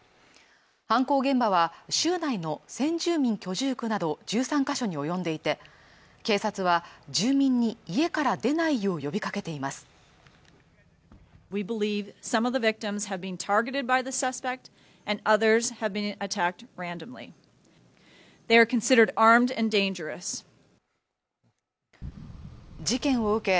犯行現場は州内の先住民居住区など１３か所に及んでいて警察は住民に家から出ないよう呼びかけています事件を受け